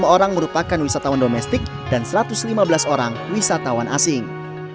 dua puluh orang merupakan wisatawan domestik dan satu ratus lima belas orang wisatawan asing